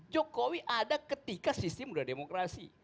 jokowi ada ketika sistem sudah demokrasi